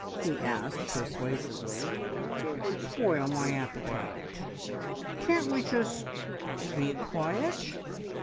he asked persuasively. "It would spoil my appetite. Can't we just be quiet?"